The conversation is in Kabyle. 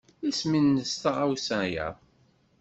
Isem-nnes tɣawsa-a?